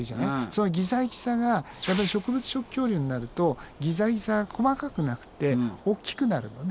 そのギザギザが植物食恐竜になるとギザギザが細かくなくておっきくなるのね。